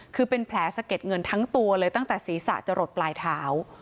คือเป็นแผลสะเก็ดเงินทั้งตัวเลยตั้งแต่ศีรษะจะหลดปลายเท้า